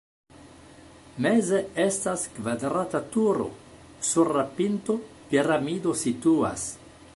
Meze estas kvadrata turo, sur la pinto piramido situas.